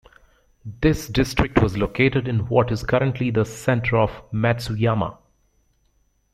This district was located in what is currently the center of Matsuyama.